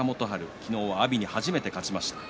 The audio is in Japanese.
昨日は阿炎に初めて勝ちました。